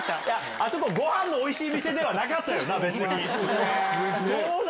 あそこごはんのおいしい店ではなかったよな？